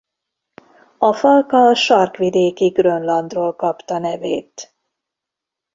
A falka a sarkvidéki Grönlandról kapta nevét.